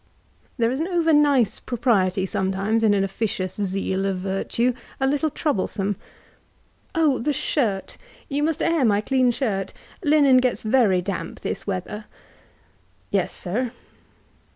(There is an over nice propriety sometimes, an c^cious seal of virtue, a little troublesome.) "Oh— the shirt^^ you must air my clean ^irt;^ — linen gets'veiy damp this weather/'— Yes, Sir.